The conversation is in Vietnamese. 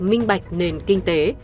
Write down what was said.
minh bạch nền kinh tế